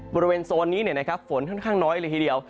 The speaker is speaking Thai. บริเวณโซนนี้ฝนค่อนข้างน้อยเลยทีเดียว